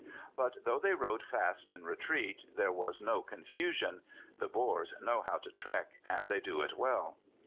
But, though they rode fast in retreat, there was no confusion; the Boers know how to trek, and they do it well.